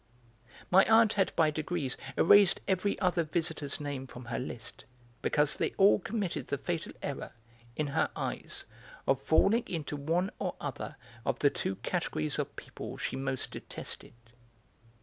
My aunt had by degrees erased every other visitor's name from her list, because they all committed the fatal error, in her eyes, of falling into one or other of the two categories of people she most detested.